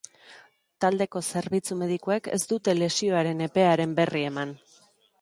Taldeko zerbitzu medikuek ez dute lesioaren epearen berri eman.